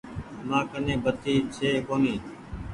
مآن ڪني بتي ڇي ڪونيٚ۔